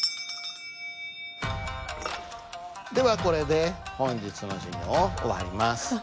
ではこれで本日の授業を終わります。